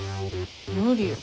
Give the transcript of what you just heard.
無理よ。